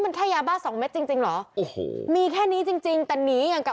มันแค่ยาบ้าสองเม็ดจริงจริงเหรอโอ้โหมีแค่นี้จริงจริงแต่หนีอย่างกับ